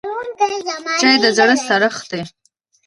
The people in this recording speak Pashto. چای د زړه سړښت دی